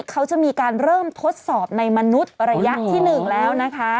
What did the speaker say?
เขาจะมีการเริ่มทดสอบในมนุษย์ระยะที่๑แล้วนะคะ